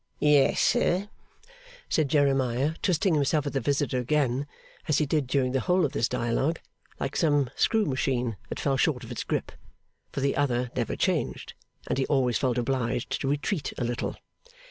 'Yes, sir,' said Jeremiah, twisting himself at the visitor again, as he did during the whole of this dialogue, like some screw machine that fell short of its grip; for the other never changed, and he always felt obliged to retreat a little.